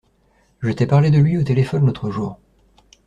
Je t’ai parlé de lui au téléphone l’autre jour.